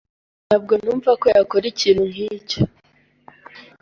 Ntabwo numva ko yakora ikintu nkicyo.